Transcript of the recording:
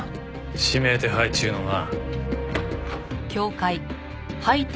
指名手配中のな。